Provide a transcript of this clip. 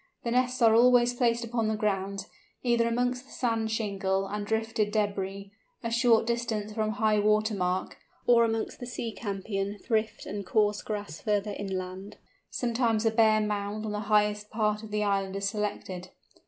The nests are always placed upon the ground, either amongst the sand shingle and drifted debris, a short distance from high water mark, or amongst the sea campion, thrift, and coarse grass further inland; sometimes a bare mound on the highest part of the island is selected.